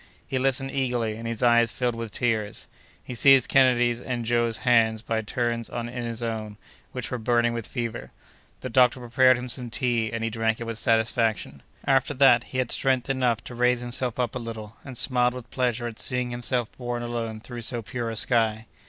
He listened eagerly, and his eyes filled with tears. He seized Kennedy's and Joe's hands by turns in his own, which were burning with fever. The doctor prepared him some tea, and he drank it with satisfaction. After that, he had strength enough to raise himself up a little, and smiled with pleasure at seeing himself borne along through so pure a sky.